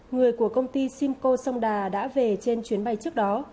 người của công ty simcoe songda đã về trên chuyến bay trước đó